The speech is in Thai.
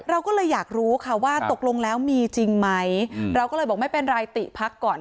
เราก็เลยอยากรู้ค่ะว่าตกลงแล้วมีจริงไหมเราก็เลยบอกไม่เป็นไรติพักก่อน